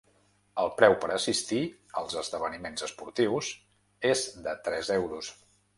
El preu per a assistir als esdeveniments esportius és de tres euros.